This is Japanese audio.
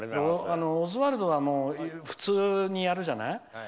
オズワルドは普通にやるじゃない。